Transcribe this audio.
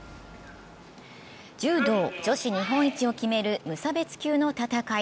柔道女子日本一を決める無差別級の戦い。